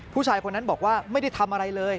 ผู้ชายคนนั้นบอกว่าไม่ได้ทำอะไรเลย